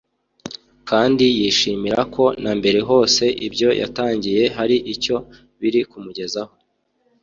kandi yishimira ko na mbere hose ibyo yatangiye hari icyo biri kumugezaho